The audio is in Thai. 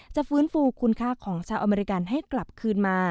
ฟื้นฟูคุณค่าของชาวอเมริกันให้กลับคืนมา